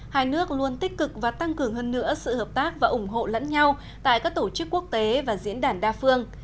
hai nước luôn tích cực và tăng cường hơn nữa sự hợp tác và ủng hộ lẫn nhau tại các tổ chức quốc tế và diễn đàn đa phương